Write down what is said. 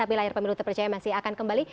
di layar pemilu terpercaya masih akan kembali